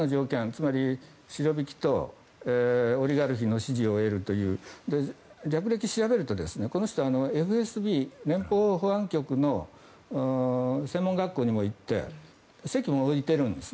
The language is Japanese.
つまりシロビキとオリガルヒの支持を得るという経歴を調べるとこの人はＦＳＢ・連邦保安局の専門学校にも行っているんです。